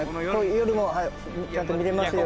夜もちゃんと見れますように。